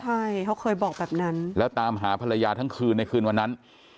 ใช่เขาเคยบอกแบบนั้นแล้วตามหาภรรยาทั้งคืนในคืนวันนั้น